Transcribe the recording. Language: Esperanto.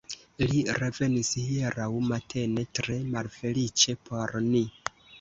Li revenis hieraŭ matene, tre malfeliĉe por ni.